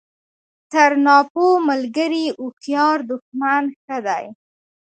تر ناپوه ملګري هوښیار دوښمن ښه دئ!